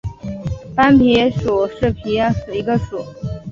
斑皮蠹属是皮蠹科下的一个属。